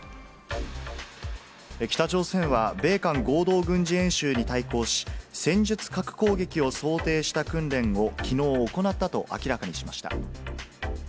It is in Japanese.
北朝鮮は、米韓合同軍事演習に対抗し、戦術核攻撃を想定した訓練を、きのう行ったと明らかにしました。